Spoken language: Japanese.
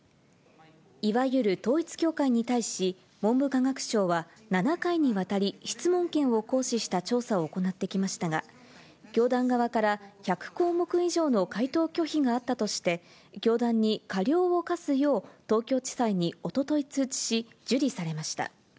いわゆる統一教会に対し、文部科学省は７回にわたり質問権を行使した調査を行ってきましたが、教団側から１００項目以上の回答拒否があったとして、教団に過料を科すよう、東京地裁におととい通知し、受理されました。